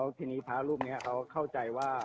แล้วทีนี้ภาพรูปเนี่ยเขาเข้าใจว่า